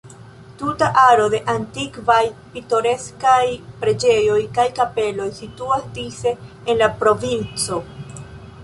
Tuta aro da antikvaj, pitoreskaj preĝejoj kaj kapeloj situas dise en la provinco.